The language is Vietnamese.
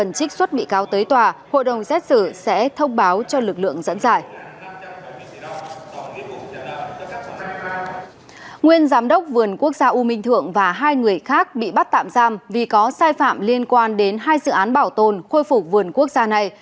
nguyên giám đốc vườn quốc gia u minh thượng và hai người khác bị bắt tạm giam vì có sai phạm liên quan đến hai dự án bảo tồn khôi phục vườn quốc gia này